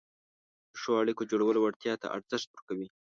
د ښو اړیکو جوړولو وړتیا ته ارزښت ورکوي،